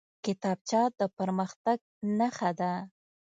کتابچه د پرمختګ نښه ده